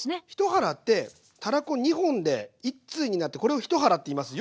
１腹ってたらこ２本で１対になってこれを１腹っていいます。